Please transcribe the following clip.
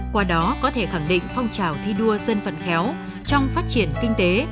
qua đó có thể khẳng định phong trào thi đua dân vận khéo trong phát triển kinh tế